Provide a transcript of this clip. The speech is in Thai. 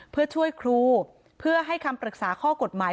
เพื่อช่วยครูเพื่อให้คำปรึกษาข้อกฎหมาย